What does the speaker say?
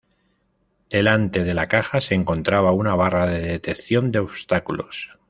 Delante de la caja se encontraba una barra de detección de obstáculos.